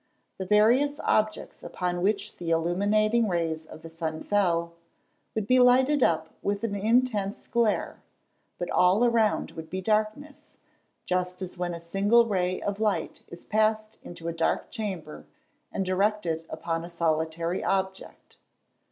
The various objects upon which the illuminating rays of the sun fell, would be lighted up with an intense glare, but all around would be darkness, just as when a single ray of light is passed into a dark chamber, and directed upon a solitary object.